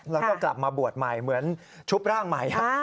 แล้วก็กลับมาบวชใหม่เหมือนชุบร่างใหม่